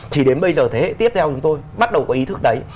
chỉ đến bây giờ thế hệ tiếp theo chúng tôi bắt đầu có ý thức đấy